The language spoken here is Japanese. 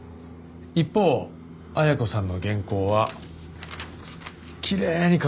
一方恵子さんの原稿はきれいに書かれてる。